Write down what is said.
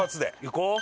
行こう。